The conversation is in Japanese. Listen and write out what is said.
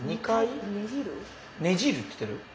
２回ねじる？